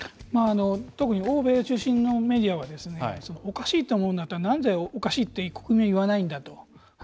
特に欧米中心のメディアはおかしいって思うんだったらなんでおかしいって国民は言わないんだと。